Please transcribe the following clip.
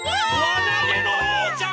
わなげのおうちゃん！